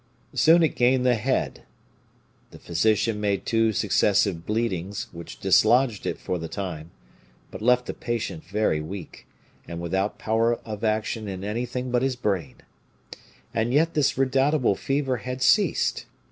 Soon it gained the head. The physician made two successive bleedings, which dislodged it for the time, but left the patient very weak, and without power of action in anything but his brain. And yet this redoubtable fever had ceased.